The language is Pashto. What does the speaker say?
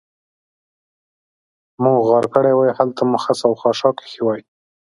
مو غار کړې وای، هلته مو خس او خاشاک اېښي وای.